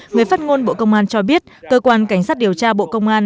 người phát ngôn bộ công an cho biết cơ quan cảnh sát điều tra bộ công an